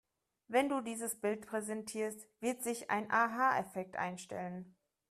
Wenn du dieses Bild präsentierst, wird sich ein Aha-Effekt einstellen.